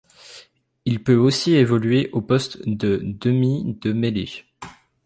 Il peut aussi évoluer au poste de demi de mêlée.